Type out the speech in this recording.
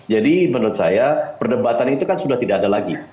jadi menurut saya perdebatan itu kan sudah tidak ada lagi